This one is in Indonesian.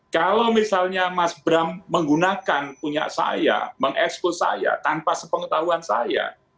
kalau misalnya mas bram menggunakan punya saya mengekspos saya tanpa sepengetahuan saya